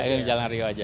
iya jalan rio aja